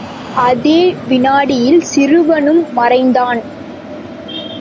அதே வினாடியில் சிறுவனும் மறைந்தான்.